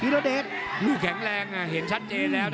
ลูกแข็งแรงเห็นชัดเจ๊แล้ว